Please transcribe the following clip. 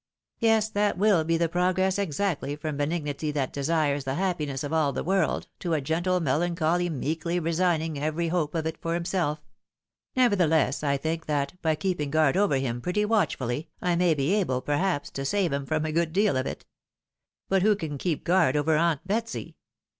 " Yes, that will be the progress exactly from benignity that desires the happiness of all the world, to a gentle melancholy meekly resigning every hope of it for himself. Nevertheless, I think that, by keeping guard over him pretty watchfully, I may be able, perhaps, to save him from a good deal of it. But who can keep guard over aunt Betsy